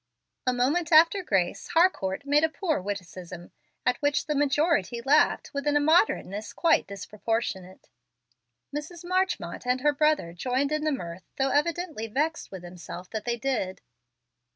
A moment after "grace" Harcourt made a poor witticism, at which the majority laughed with an immoderateness quite disproportionate. Mrs. Marchmont and her brother joined in the mirth, though evidently vexed with themselves that they did.